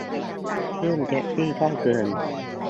ขึ้นแท็กซี่ก็เกิน